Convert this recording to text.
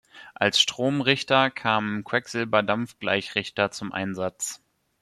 Als Stromrichter kamen Quecksilberdampfgleichrichter zum Einsatz.